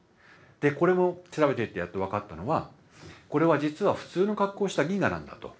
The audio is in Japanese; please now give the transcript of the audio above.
これも調べてみてやっと分かったのはこれは実は普通の格好した銀河なんだと。